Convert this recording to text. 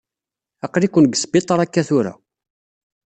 Aql-iken deg sbiṭaṛ akka tura.